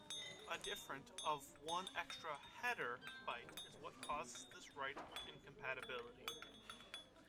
A different of one extra 'header' byte is what causes this write incompatibility.